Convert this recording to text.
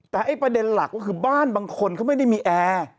แต่ไอ้ประเด็นหลักก็คือบ้านบางคนเขาไม่ได้มีแอร์